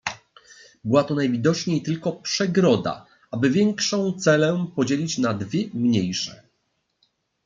"Była to najwidoczniej tylko przegroda, aby większą celę podzielić na dwie mniejsze."